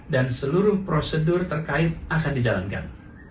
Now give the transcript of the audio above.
dan seluruh prosedur terkait akan dijalankan